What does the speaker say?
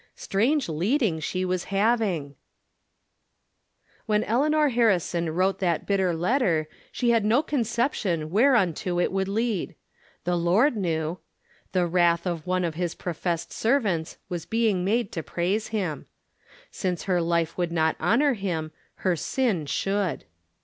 Strange leading she was having ! "When Eleanor Harrison wrote that bitter let ter, she had no conception whereunto it would lead. The Lord knew. The " wrath " of one of his professed servants was being made to praise him. Since her life would not honor him, her sin should.